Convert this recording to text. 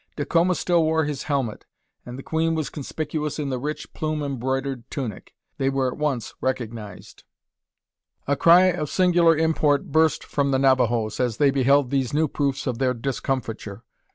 Dacoma still wore his helmet, and the queen was conspicuous in the rich, plume embroidered tunic. They were at once recognised! A cry of singular import burst from the Navajoes as they beheld these new proofs of their discomfiture.